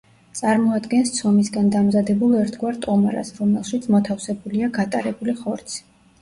წარმოადგენს ცომისგან დამზადებულ ერთგვარ ტომარას, რომელშიც მოთავსებულია გატარებული ხორცი.